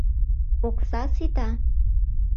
Окса сита.